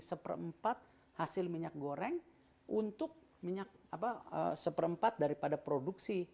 seperempat hasil minyak goreng untuk minyak seperempat daripada produksi